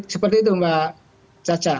seperti itu mbak caca